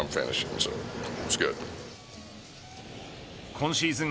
今シーズン